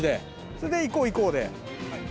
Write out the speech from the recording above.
それで行こう、行こうで。